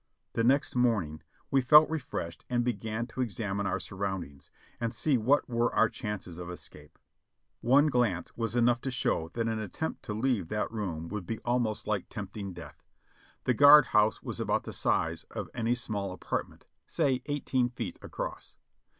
The next morning we felt refreshed and began to examine our surroundings, and see w^hat were our chances of escape. One 508 JOHNNY REB AND BILLY YANK glance was enough to show that an attempt to leave that room would be almost Hke tempting death. The guard house was about the size of any small apartment, say eighteen feet across.